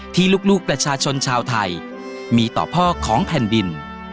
ที่ลูกประชาชนชาวไทยมีต่อพ่อของแผ่นดิน